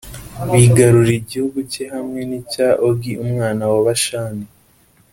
bigarurira igihugu cye hamwe n’icya ogi umwami wa bashani.